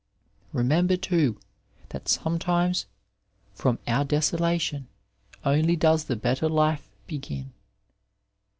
Remember, too, that sometimes '^ from our desolation only does the better life begin."